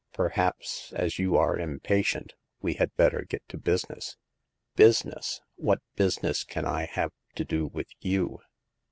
Perhaps, as you are impatient, we had better get to business." " Business ! What business can I have to do w^ith you